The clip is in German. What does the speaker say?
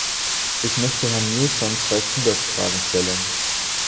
Ich möchte Herrn Nielson zwei Zusatzfragen stellen.